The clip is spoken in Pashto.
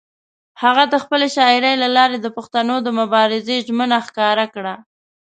هغه د خپلې شاعرۍ له لارې د پښتنو د مبارزې ژمنه ښکاره کړه.